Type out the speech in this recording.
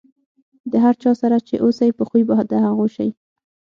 د هر چا سره چې اوسئ، په خوي به د هغو سئ.